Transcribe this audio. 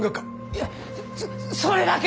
いやそれだけは！